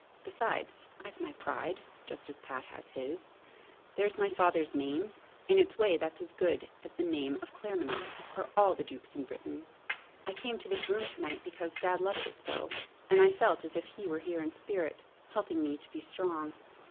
Besides I've my pride, just as Pat has his. There's my father's name. In its way that's as good as the name of Claremanagh, or all the dukes in Britain. I came to this room to night because Dad loved it so, and I felt as if he were here in spirit, helping me to be strong.